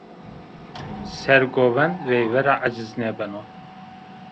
Sergovend veyve ra eciz nêbeno